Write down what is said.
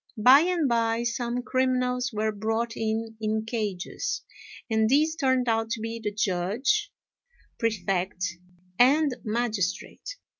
By and by, some criminals were brought in in cages, and these turned out to be the Judge, Prefect, and Magistrate.